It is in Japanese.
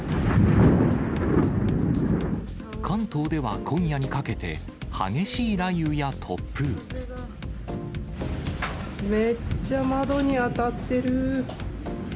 関東では今夜にかけて、めっちゃ窓に当たってる。